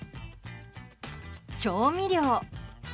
調味料。